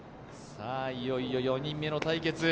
いよいよ４人目の対決。